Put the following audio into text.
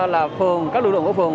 là phường các lực lượng của phường